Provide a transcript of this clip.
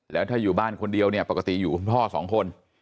แล้วถ้าอยู่บ้านคนเดียวเนี่ยปกติอยู่คุณพ่อสองคน